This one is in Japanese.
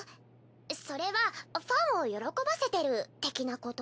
それはファンを喜ばせてる的なこと？